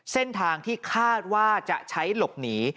เส้นทางที่คาดว่าจะใช้หลบหนี